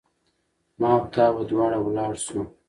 ما او تا به دواړه ولاړ سو